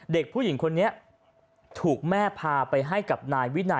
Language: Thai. เด็กผู้หญิงคนนี้ถูกแม่พาไปให้กับนายวินัย